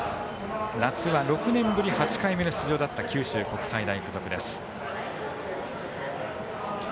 夏が６年ぶり８回目の出場だった九州国際大付属。